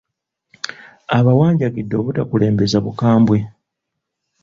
Abawanjagidde obutakulembeza bukambwe.